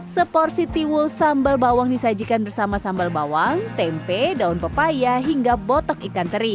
seporsi tiwul sambal bawang disajikan bersama sambal bawang tempe daun pepaya hingga botok ikan teri